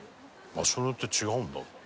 「場所によって違うんだ」